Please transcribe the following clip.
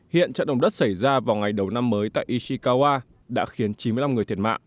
hiện trận động đất xảy ra vào ngày đầu năm mới tại ishikawa đã khiến chín mươi năm người thiệt mạng